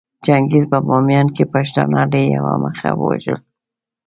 چنګېز په باميان کې پښتانه له يوه مخه ووژل